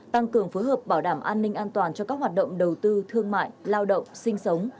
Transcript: tăng cường phối hợp bảo đảm an ninh an toàn cho các hoạt động đầu tư thương mại lao động sinh sống